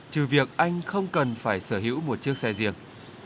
trừ việc anh không cần phải sở hữu một chiếc xe riêng